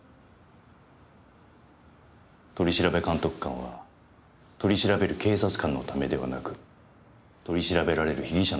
取調監督官は取り調べる警察官のためではなく取り調べられる被疑者のためにいるんですよ。